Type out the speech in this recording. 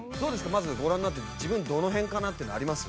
まずご覧になって自分どの辺かなっていうのあります？